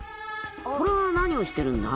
これは何をしてるんだ？